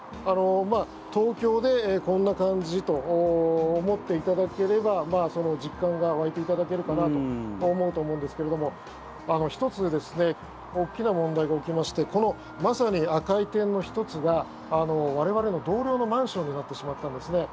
東京でこんな感じと思っていただければ実感が湧いていただけるかなと思うんですけども１つ、大きな問題が起きましてこのまさに赤い点の１つが我々の同僚のマンションになってしまったんですね。